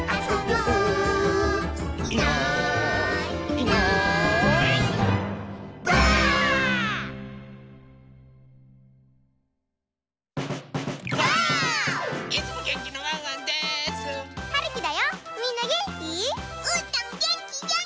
うーたんげんきげんき！